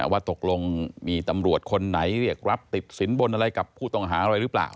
ว่าตกลงมีตำรวจคนไหนเรียกรับติดสินบนอะไรกับผู้ต้องหาอะไรหรือเปล่า